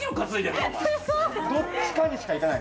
どっちかにしかいかない。